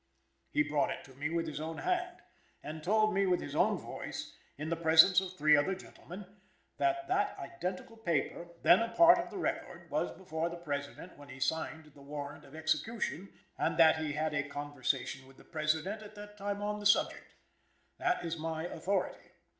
He brought it to me with his own hand, and told me with his own voice, in the presence of three other gentlemen, that that identical paper, then a part of the record, was before the President when he signed the warrant of execution, and that he had a conversation with the President at that time on the subject. That is my authority.